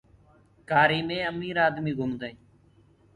ڪآري مي امير آدمي گُمدآ هينٚ۔